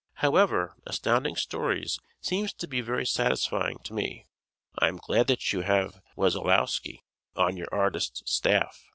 However, Astounding Stories seems to be very satisfying to me. I am glad that you have Wessolowski on your artist's staff.